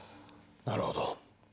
なるほど。